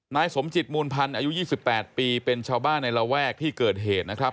นายสมจิตมูลพันธ์อายุ๒๘ปีเป็นชาวบ้านในระแวกที่เกิดเหตุนะครับ